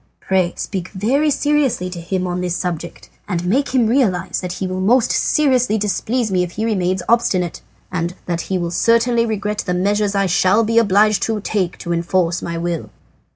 Pray speak very seriously to him on this subject, and make him realize that he will most seriously displease me if he remains obstinate, and that he will certainly regret the measures I shall be obliged to take to enforce my will."